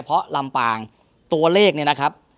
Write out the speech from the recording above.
เพราะลำปางตัวเลขเนี่ยนะครับ